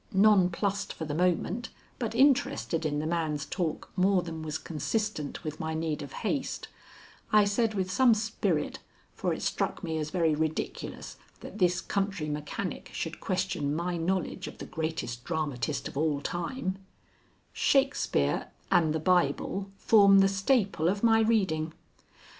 Nonplussed for the moment, but interested in the man's talk more than was consistent with my need of haste, I said with some spirit, for it struck me as very ridiculous that this country mechanic should question my knowledge of the greatest dramatist of all time, "Shakespeare and the Bible form the staple of my reading."